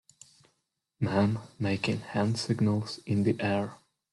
man making hand signals in the air